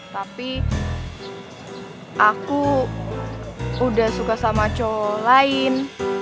tapi aku udah suka sama co lain